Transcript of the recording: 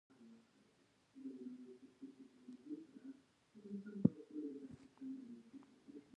نن مې د فرش ټولې ورغلې لرې کړې.